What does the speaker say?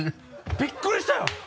びっくりしたよ。